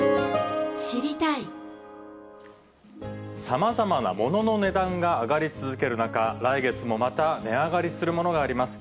さまざまなものの値段が上がり続ける中、来月もまた値上がりするものがあります。